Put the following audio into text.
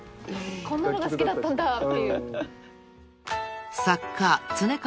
こんなのが好きだったんだっていう。